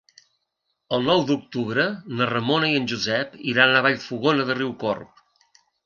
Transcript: El nou d'octubre na Ramona i en Josep iran a Vallfogona de Riucorb.